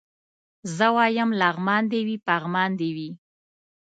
زه وايم لغمان دي وي پغمان دي وي